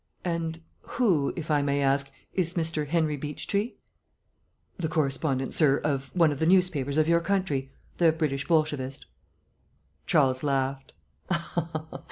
"And who, if I may ask, is Mr. Henry Beechtree?" "The correspondent, sir, of one of the newspapers of your country the British Bolshevist." Charles laughed.